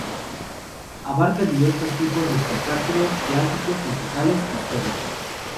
Abarcan diversos tipos de espectáculos, clásicos, musicales, históricos.